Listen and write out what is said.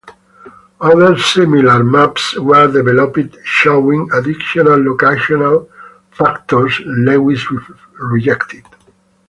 Other similar maps were developed showing additional locational factors Lewis rejected.